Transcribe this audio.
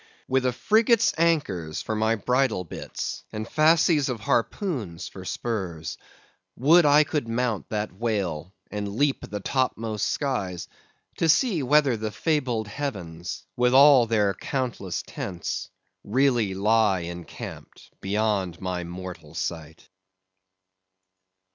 With a frigate's anchors for my bridle bitts and fasces of harpoons for spurs, would I could mount that whale and leap the topmost skies, to see whether the fabled heavens with all their countless tents really lie encamped beyond my mortal sight!